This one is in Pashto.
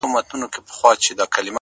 ستا د ږغ څــپــه ـ څـپه ـڅپــه نـه ده ـ